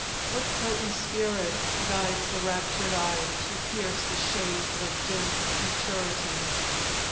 What potent spirit guides the raptured eye To pierce the shades of dim futurity?